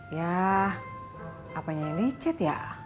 ya apanya dicat ya